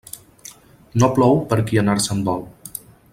No plou per qui anar-se'n vol.